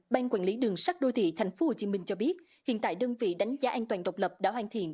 ban quản lý đường sắt đô thị tp hcm cho biết hiện tại đơn vị đánh giá an toàn độc lập đã hoàn thiện